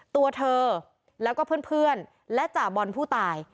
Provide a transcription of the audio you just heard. ตัวเธอแล้วก็เพื่อนและจ่าบอลผู้ตาย